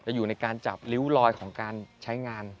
อยู่ในการจับริ้วลอยของการใช้งาน